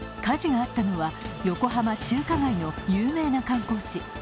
火事があったのは横浜中華街の有名な観光地